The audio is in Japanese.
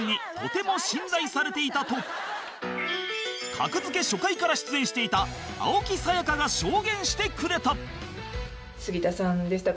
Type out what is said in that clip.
「格付け」初回から出演していた青木さやかが証言してくれた